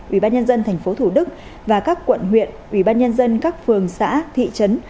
ủy ban nhân dân tp thủ đức và các quận huyện ủy ban nhân dân các phường xã thị trấn